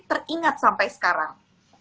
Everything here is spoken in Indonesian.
teringat sampai sekarang